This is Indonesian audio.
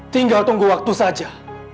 tinggal tunggu waktu saja